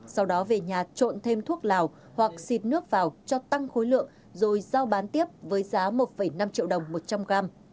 sau đó về nhà trộn thêm thuốc lào hoặc xịt nước vào cho tăng khối lượng rồi giao bán tiếp với giá một năm triệu đồng một trăm linh gram